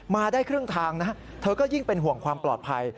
มาได้ครึ่งทางนะเธอก็ยิ่งเป็นห่วงความปลอดภัย